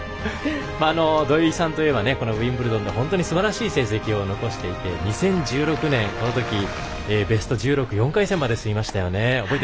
土居さんといえばこのウィンブルドンで本当にすばらしい成績を残していて２０１６年、この時ベスト１６４回戦まで進みましたよね。